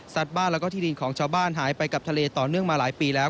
บ้านแล้วก็ที่ดินของชาวบ้านหายไปกับทะเลต่อเนื่องมาหลายปีแล้ว